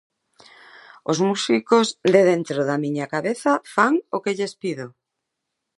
Os músicos de dentro da miña cabeza fan o que lles pido